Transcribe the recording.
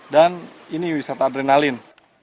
dan ini wisata adrenalin